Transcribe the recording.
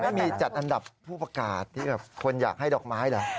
มีจัดอันดับผู้ประกาศที่แบบคนอยากให้ดอกไม้เหรอ